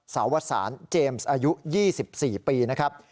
สาวสารเจมส์อายุ๒๔ปีนะครับ